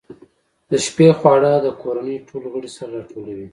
د شپې خواړه د کورنۍ ټول غړي سره راټولوي.